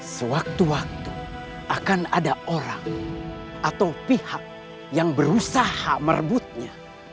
sewaktu waktu akan ada orang atau pihak yang berusaha merebutnya